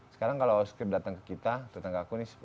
sekarang kalau script datang ke kita datang ke aku ini